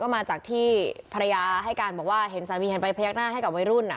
มาจากที่ภรรยาให้การบอกว่าเห็นสามีเห็นไปพยักหน้าให้กับวัยรุ่น